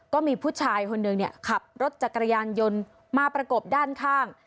ก็มีผู้ชายคนหนึ่งขับรถจักรยานยนต์มาประกบด้านข้าง